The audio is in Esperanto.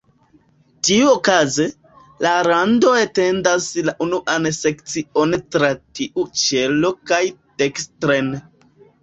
Tiuokaze, la rando etendas la unuan sekcion tra tiu ĉelo kaj dekstren.